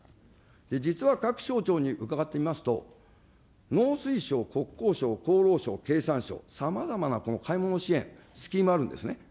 実は各省庁に伺ってみますと、農水省、国交省、厚労省、経産省、さまざまなこの買い物支援、スキームあるんですね。